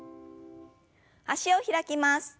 脚を開きます。